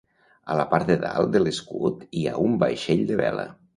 A la part de dalt de l'escut hi ha un vaixell de vela.